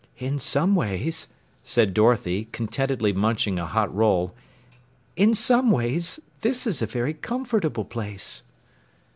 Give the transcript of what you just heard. "In some ways," said Dorothy, contentedly munching a hot roll, "in some ways this is a very comfortable place."